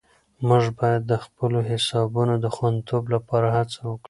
موږ باید د خپلو حسابونو د خوندیتوب لپاره هڅه وکړو.